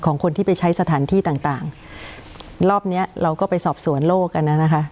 ของคนที่ไปใช้สถานที่ต่างต่างรอบเนี้ยเราก็ไปสอบสวนโลกกันน่ะนะคะ